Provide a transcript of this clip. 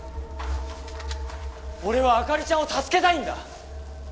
俺は朱莉ちゃんを助けたいんだ！